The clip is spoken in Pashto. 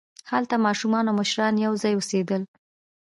هلته ماشومان او مشران یوځای اوسېدل.